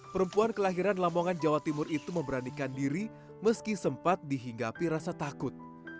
perempuan kelahiran lamongan jawa timur itu memberanikan diri meski sempat dihinggapi rasa takut